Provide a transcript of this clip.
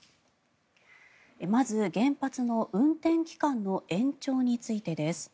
まず、原発の運転期間の延長についてです。